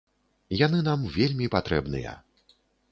Яны нам вельмі патрэбныя.